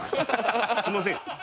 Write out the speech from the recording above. すいません。